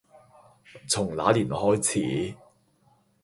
從那年開始